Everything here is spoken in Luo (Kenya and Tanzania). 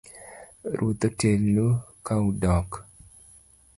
Ruoth otelnu ka udok